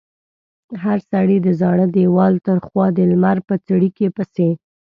هر سړي د زاړه دېوال تر خوا د لمر په څړیکې پسې.